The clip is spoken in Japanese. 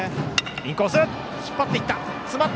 インコース引っ張っていった。